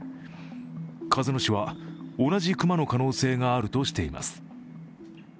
鹿角市は、同じ熊の可能性があるとしています。